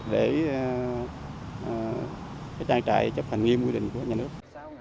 để trang trại chấp hành nghiêm quy định của nhà nước